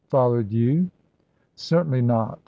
"Followed you?" "Certainly not.